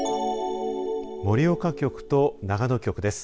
盛岡局と長野局です。